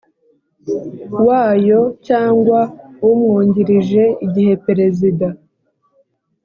wayo cyangwa umwungirije igihe Perezida